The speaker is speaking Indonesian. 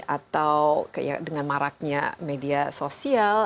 atau dengan maraknya media sosial